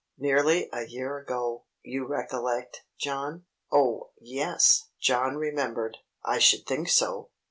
Nearly a year ago. You recollect, John?" Oh, yes. John remembered. I should think so!